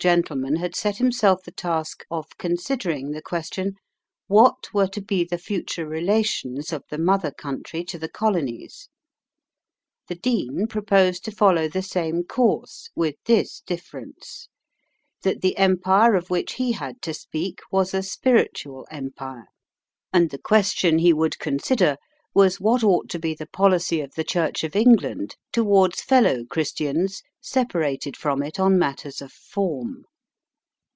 gentleman had set himself the task of considering the question, "What were to be the future relations of the Mother Country to the Colonies?" The Dean proposed to follow the same course, with this difference: that the empire of which he had to speak was a spiritual empire, and the question he would consider was what ought to be the policy of the Church of England towards fellow Christians separated from it on matters of form.